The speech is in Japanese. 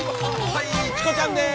チコちゃんです